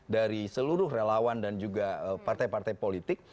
dari seluruh relawan dan juga partai partai politik